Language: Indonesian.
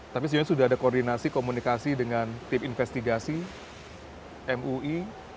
tapi sebenarnya sudah ada koordinasi komunikasi dengan tim investigasi mui